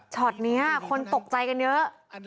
ช็อตนี้คนตกใจกันเยอะ